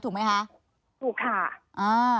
ถูกไหมคะถูกค่ะอ่า